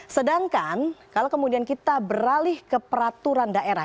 sedangkan kalau kemudian kita beralih ke peraturan daerah